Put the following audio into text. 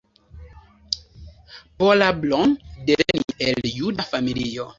Paula Braun devenis el juda familio.